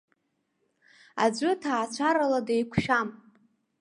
Аӡәы ҭаацәарала деиқәшәам.